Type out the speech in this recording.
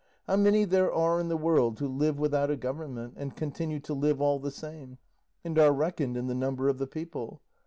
How many there are in the world who live without a government, and continue to live all the same, and are reckoned in the number of the people.